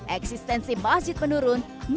eksistensi masjid menurun meskipun sebelumnya